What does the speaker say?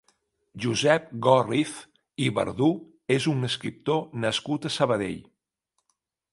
Josep Gòrriz i Verdú és un escriptor nascut a Sabadell.